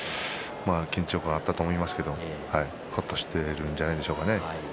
緊張感はあったと思いますけど、ほっとしているんじゃないでしょうかね。